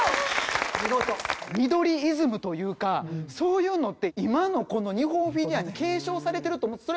みどりイズムというかそういうのって今のこの日本フィギュアに継承されてると思うんです。